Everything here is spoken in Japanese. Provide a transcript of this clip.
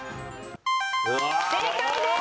正解です！